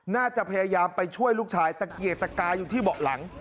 น่าจะพยายามไปช่วยลูกชายตะเกียกตะกายอยู่ที่เบาะหลัง